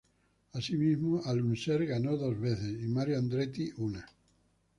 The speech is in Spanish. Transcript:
Asimismo, Al Unser ganó dos veces y Mario Andretti una.